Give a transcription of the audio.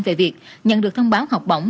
về việc nhận được thông báo học bổng